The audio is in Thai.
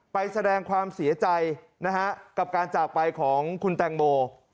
ไปแสดงความเสียใจนะฮะกับการจากไปของคุณแตงโม